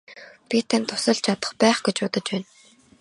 Би танд тусалж чадах байх гэж бодож байна.